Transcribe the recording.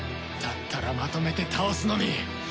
だったらまとめて倒すのみ。